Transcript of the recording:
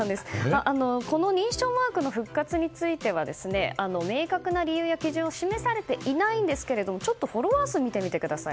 この認証マークの復活については明確な理由や基準は示されてないんですけどちょっとフォロワー数を見てみてください。